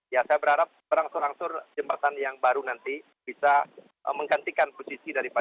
ya saya berharap perangsur angsur jembatan yang baru nanti bisa menggantikan posisi dari pak